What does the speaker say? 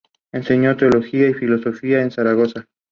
Enseñó teología y filosofía en Zaragoza.